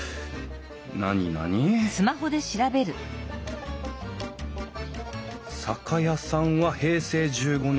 何々酒屋さんは平成１５年に閉業。